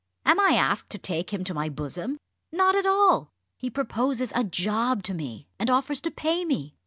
Am I asked to take him to my bosom? Not at all! He proposes a job to me, and offers to pay me.